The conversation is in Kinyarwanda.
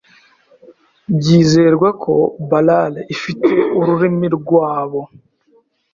Byizerwa ko balale ifite ururimi rwabo.